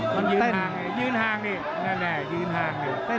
มันยืนห่างยืนห่างดินั่นแหละยืนห่างดิ